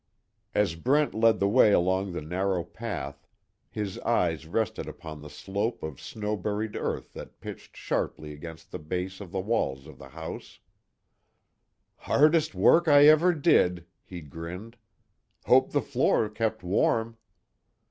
As Brent led the way along the narrow path his eyes rested upon the slope of snow buried earth that pitched sharply against the base of the walls of the house, "Hardest work I ever did," he grinned, "Hope the floor kept warm."